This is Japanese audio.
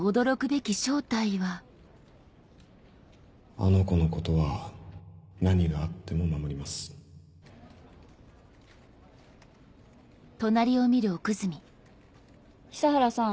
あの子のことは何があっても守ります久原さん。